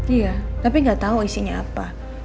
iya tapi gak tau isinya apa